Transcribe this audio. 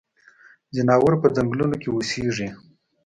ځناور پۀ ځنګلونو کې اوسيږي.